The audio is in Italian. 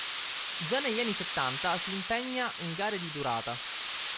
Già negli anni settanta si impegna in gare di durata.